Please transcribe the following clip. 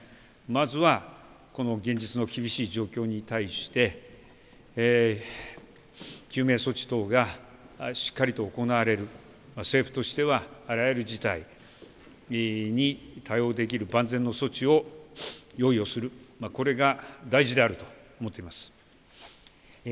まずはこの現実の厳しい状況に対して救命措置等がしっかりと行われる、政府としてはあらゆる事態に対応できる万全の措置を用意をする、これが大事であると思っています。